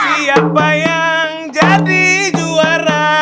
siapa yang jadi juara